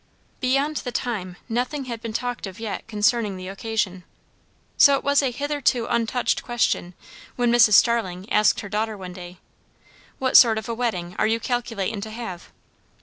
Beyond the time, nothing had been talked of yet concerning the occasion. So it was a hitherto untouched question, when Mrs. Starling asked her daughter one day, "What sort of a wedding are you calculatin' to have?"